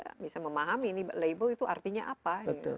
kita tidak bisa memahami label itu artinya apa